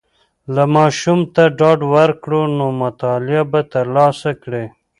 که ماشوم ته ډاډ ورکړو، نو مطالعه به تر لاسه کړي.